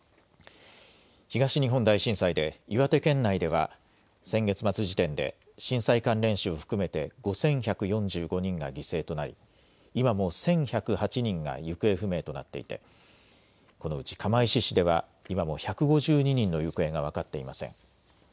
東日本大震災で岩手県内では先月末時点で震災関連死を含めて５１４５人が犠牲となり今も１１０８人が行方不明となっていてこのうち釜石市では今も１５２人の行方が分かっていません。